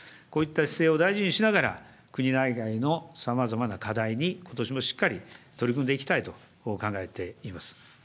こういった姿勢を大事にしながら、国内外のさまざまな課題にことしもしっかり取り組んでいきたいと考えています。